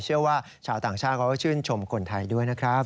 ชาวต่างชาติเขาก็ชื่นชมคนไทยด้วยนะครับ